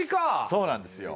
そうなんですよ。